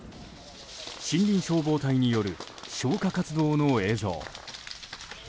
森林消防隊による消火活動の映像。